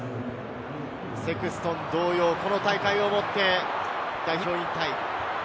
セクストン同様、この大会をもって代表引退。